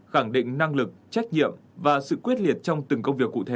khẳng định năng lực trách nhiệm và sự quyết liệt trong từng công việc cụ thể